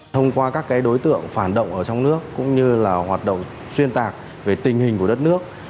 thông qua các đối tượng phản động ở trong nước cũng như là hoạt động xuyên tạc về tình hình của đất nước